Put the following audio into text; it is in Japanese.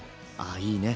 ああいいね。